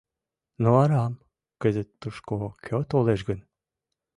Но арам — кызыт тушко кӧ толеш гын?